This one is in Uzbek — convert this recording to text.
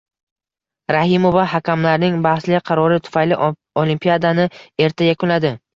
Rahimova hakamlarning bahsli qarori tufayli Olimpiadani erta yakunladi